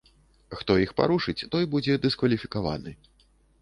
Хто іх парушыць той будзе дыскваліфікаваны.